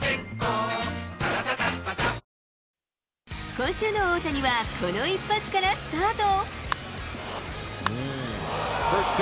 今週の大谷は、この一発からスタート。